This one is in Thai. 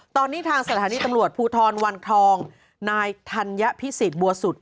ตอนนี้ทางสถานีตำรวจภูทรวังทองนายธัญพิสิทธิบัวสุด